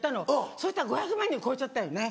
そしたら５００万人超えちゃったよね。